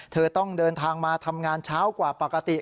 เธอต้องเดินทางมาทำงานเช้ากว่าปกติ